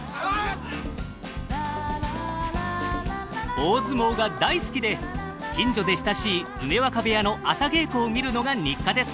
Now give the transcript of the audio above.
大相撲が大好きで近所で親しい梅若部屋の朝稽古を見るのが日課です。